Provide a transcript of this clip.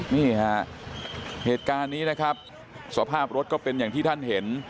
นี่ฮะเหตุการณ์นี้นะครับสภาพรถก็เป็นอย่างที่ท่านเห็น